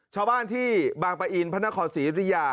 ชาวบ้านที่บางปะอินพระนครศรีริยา